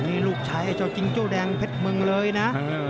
นี่ลูกชายไอ้เจ้าจิงโจ้แดงเพชรเมืองเลยนะ